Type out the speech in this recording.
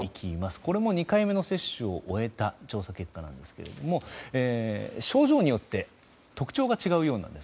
これも２回目の接種を終えた調査結果なんですが症状によって特徴が違うようなんです。